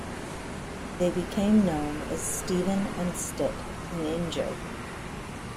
They became known as Stephen and Stitt: an in-joke.